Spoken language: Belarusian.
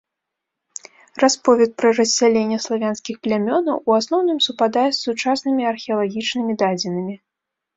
Расповед пра рассяленне славянскіх плямёнаў у асноўным супадае з сучаснымі археалагічнымі дадзенымі.